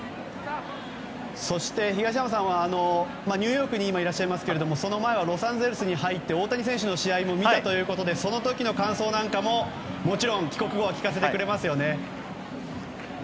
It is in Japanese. そして、東山さんはニューヨークに今、いらっしゃいますけれどもその前はロサンゼルスに入って大谷選手の試合も見たということでその時の感想なんかももちろん、帰国後は聞かせてくれますよね？